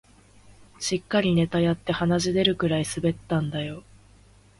しっかりネタやって鼻血出るくらい滑ったんだよ